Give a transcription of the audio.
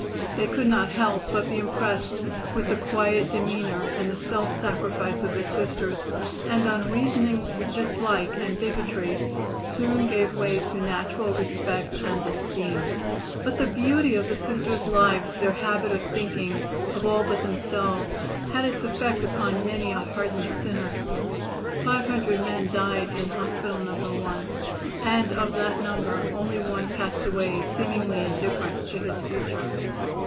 They could not help but be impressed with the quiet demeanor and the self sacrifice of the Sisters, and unreasoning dislike and bigotry soon gave way to natural respect and esteem. But the beauty of the Sisters' lives, their habit of thinking of all but themselves, had its effect upon many a hardened sinner. Five hundred men died in "hospital number one," and of that number only one passed away seemingly indifferent to his future.